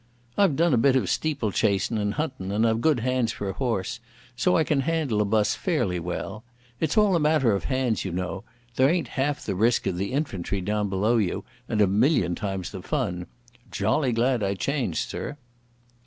"I've done a bit of steeple chasin' and huntin' and I've good hands for a horse, so I can handle a bus fairly well. It's all a matter of hands, you know. There ain't half the risk of the infantry down below you, and a million times the fun. Jolly glad I changed, sir."